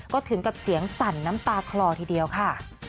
ก็ถึงกับเสียงสั่นน้ำตาคลอทีเดียวค่ะ